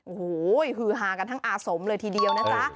โอ้โหฮือฮากันทั้งอาสมเลยทีเดียวนะจ๊ะ